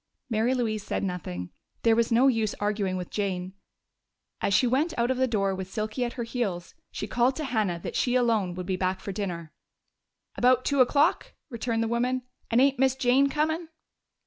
Mary Louise said nothing: there was no use arguing with Jane. As she went out of the door with Silky at her heels she called to Hannah that she alone would be back to dinner. "About two o'clock," returned the woman. "And ain't Miss Jane comin'?"